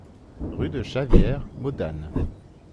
Rue de Chavières, Modane